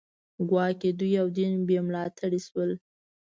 ګواکې دوی او دین بې ملاتړي شول